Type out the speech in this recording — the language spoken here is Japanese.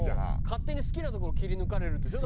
勝手に好きなところ切り抜かれるんでしょ？